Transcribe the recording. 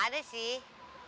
ah ada sih